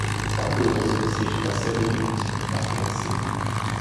Baku was also besieged by Soviet units from the Caspian Sea.